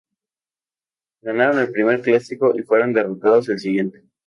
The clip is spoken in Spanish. Ganaron el primer clásico y fueron derrotados el siguiente.